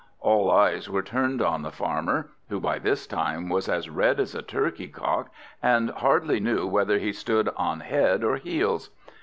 All eyes were turned on the Farmer, who by this time was as red as a turkey cock, and hardly knew whether he stood on head or heels.